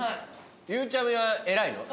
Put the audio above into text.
ゆうちゃみは偉いの？